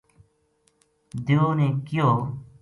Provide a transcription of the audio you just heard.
دیو نے کہیو